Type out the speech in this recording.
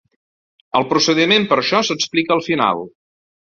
El procediment per això s'explica al final.